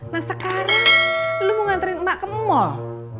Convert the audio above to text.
nah sekarang belum mau nganterin emak ke mall